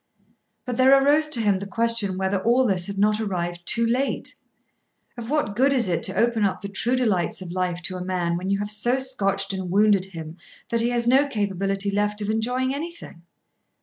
But there arose to him the question whether all this had not arrived too late! Of what good is it to open up the true delights of life to a man when you have so scotched and wounded him that he has no capability left of enjoying anything?